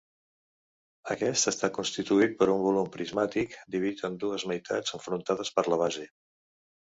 Aquest està constituït per un volum prismàtic dividit en dues meitats enfrontades per la base.